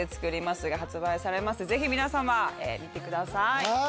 ぜひ皆さま見てください。